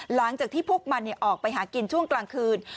หลังจากที่พวกมันออกไปหากินช่วงกลางคืน